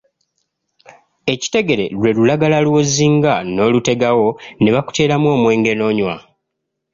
Ekitegere lwe lulagala lw'ozinga n'olutegawo ne bakuteeramu omwenge n'onywa.